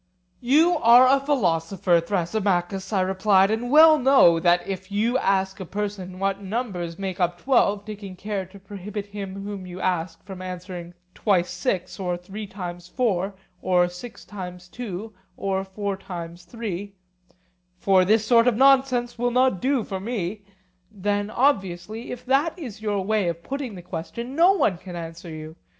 You are a philosopher, Thrasymachus, I replied, and well know that if you ask a person what numbers make up twelve, taking care to prohibit him whom you ask from answering twice six, or three times four, or six times two, or four times three, 'for this sort of nonsense will not do for me,'—then obviously, if that is your way of putting the question, no one can answer you.